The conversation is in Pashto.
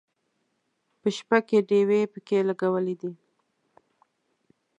په شپه کې ډیوې پکې لګولې دي.